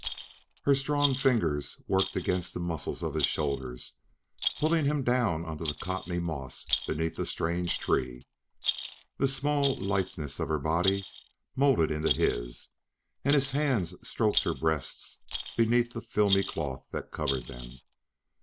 Her strong fingers worked against the muscles of his shoulders, pulling him down onto the cottony moss beneath the strange tree. The small litheness of her body molded into his and his hands stroked her breasts beneath the filmy cloth that covered them.